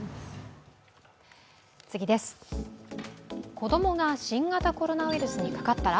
子供が新型コロナウイルスにかかったら？